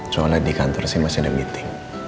soalnya di kantor sih masih ada meeting